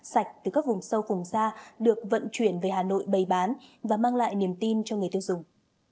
sạch từ các vùng sâu vùng xa được vận chuyển về hà nội bày bán và mang lại niềm tin cho người tiêu dùng